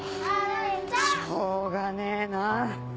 しょうがねえな。